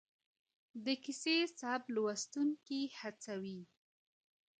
د کيسې سبک لوستونکي هڅوي.